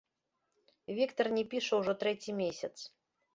Віктар не піша ўжо трэці месяц.